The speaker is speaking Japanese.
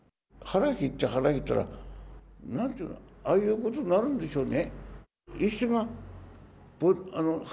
腹減って、腹減ったらなんていうか、ああいうことになるんでしょうね。